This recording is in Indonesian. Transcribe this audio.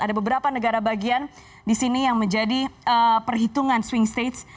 ada beberapa negara bagian di sini yang menjadi perhitungan swing states